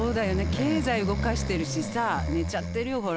経済動かしてるしさ寝ちゃってるよほら。